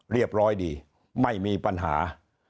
เรียบร้อยดีไม่มีปัญหา